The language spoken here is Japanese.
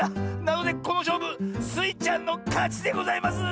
なのでこのしょうぶスイちゃんのかちでございます！